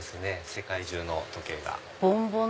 世界中の時計が。